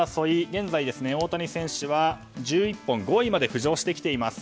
現在、大谷選手は１１本５位まで浮上してきています。